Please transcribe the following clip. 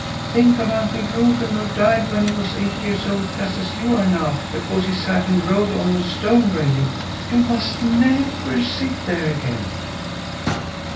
Think of Uncle Reuben, who died when he was eight years old, just as you are now, because he sat and rode on a stone railing. You must never sit there again."